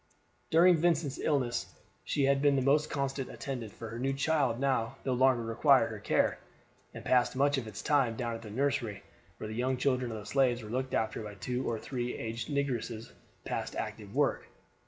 During Vincent's illness she had been his most constant attendant; for her child now no longer required her care, and passed much of its time down at the nursery, where the young children of the slaves were looked after by two or three aged negresses past active work.